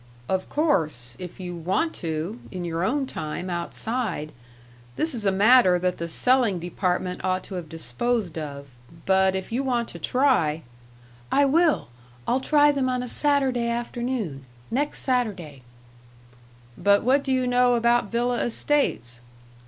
"Of course, if you want to in your own time outside. This is a matter that the selling department ought to have disposed of. But if you want to try " "I will. I'll try them on a Saturday afternoon next Saturday." "But what do you know about Villa Estates?"